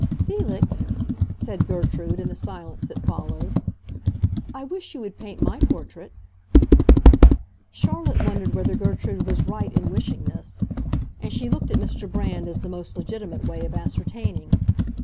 "Felix," said Gertrude, in the silence that followed, "I wish you would paint my portrait." Charlotte wondered whether Gertrude was right in wishing this; and she looked at Mr. Brand as the most legitimate way of ascertaining.